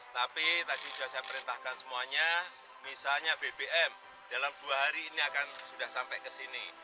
tapi tadi sudah saya perintahkan semuanya misalnya bbm dalam dua hari ini akan sudah sampai ke sini